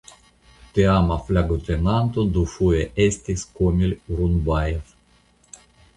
Teama flagotenanto duafoje estis "Komil Urunbajev".